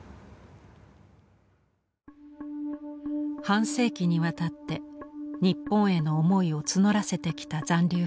半世紀にわたって日本への思いを募らせてきた残留婦人たち。